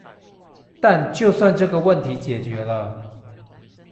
但就算這個問題解決了